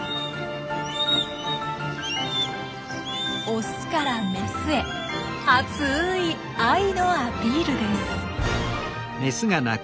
オスからメスへ熱い愛のアピールです。